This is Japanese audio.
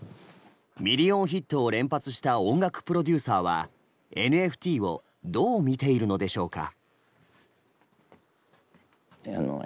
ミリオンヒットを連発した音楽プロデューサーはＮＦＴをどう見ているのでしょうか。